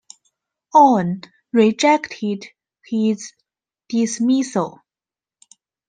Aoun rejected his dismissal.